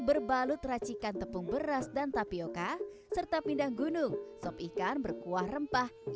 berbalut racikan tepung beras dan tapioka serta pindang gunung sob ikan berkuah rempah dan sos berlengah dan juga kartu kue dan tambahan untuk panas nasi